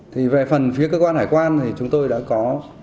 thì về phần phía cơ quan hải quan thì chúng tôi đã có